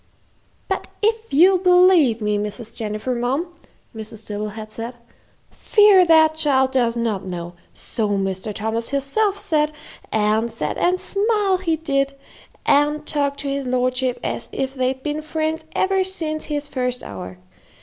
"But if you'll believe me, Mrs. Jennifer, mum," Mrs. Dibble had said, "fear that child does not know so Mr. Thomas hisself says; an' set an' smile he did, an' talked to his lordship as if they'd been friends ever since his first hour.